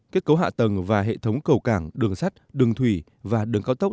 kết cấu hạ tầng và hệ thống cầu cảng đường sắt đường thủy và đường cao tốc